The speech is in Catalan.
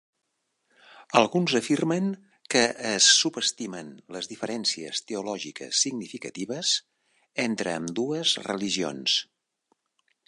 Alguns afirmen que es subestimen les diferències teològiques significatives entre ambdues religions.